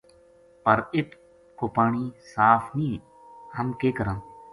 پر اِت کو پانی صاف نیہہ ہم کے کراں ؟